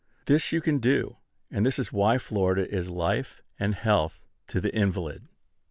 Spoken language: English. This you can do; and this is why Florida is life and health to the invalid.